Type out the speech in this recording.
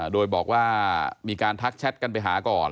โดยบอกว่ามีการทักแชทกันไปหาก่อน